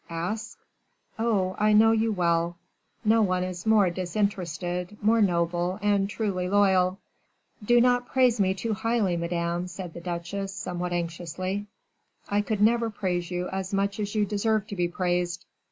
"Ask " "Oh, I know you well, no one is more disinterested, more noble, and truly loyal." "Do not praise me too highly, madame," said the duchesse, somewhat anxiously. "I could never praise you as much as you deserve to be praised."